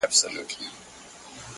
د تندې کرښو راوستلی یم د تور تر کلي،